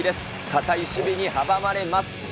堅い守備に阻まれます。